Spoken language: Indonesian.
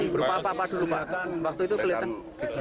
berupa apa dulu pak waktu itu kelihatan